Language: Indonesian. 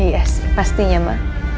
yes pastinya ma